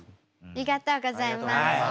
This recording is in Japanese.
ありがとうございます。